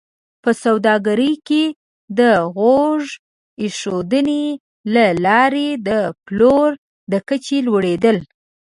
په سوداګرۍ کې د غوږ ایښودنې له لارې د پلور د کچې لوړول